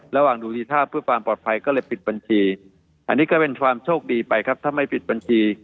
ระหว่างดูทีท่าเพื่อความปลอดภัยก็เลยปิดบัญชีอันนี้ก็เป็นความโชคดีไปครับถ้าไม่ปิดบัญชี